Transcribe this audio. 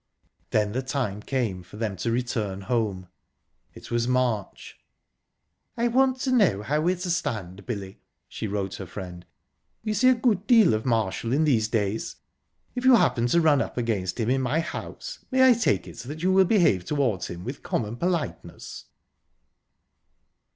Then the time came for them to return home. It was March. "...I want to know how we're to stand, Billy," she wrote her friend. "We see a good deal of Marshall in these days. If you happen to run up against him in my house, may I take it that you will behave towards him with common politeness?..."